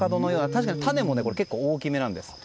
確かに種も結構、大きめなんです。